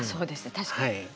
確かに。